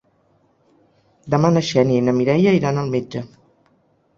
Demà na Xènia i na Mireia iran al metge.